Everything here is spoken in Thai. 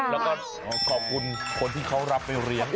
แล้วก็ขอบคุณคนที่เขารับไปเลี้ยง